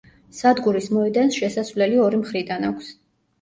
სადგურის მოედანს შესასვლელი ორი მხრიდან აქვს.